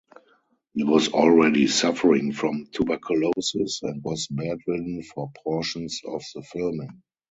He was already suffering from tuberculosis and was bedridden for portions of the filming.